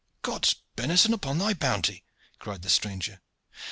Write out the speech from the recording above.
"God's benison upon thy bounty!" cried the stranger.